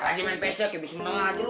taruh aja main pc abis menengah aja lu